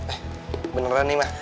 eh beneran nih ma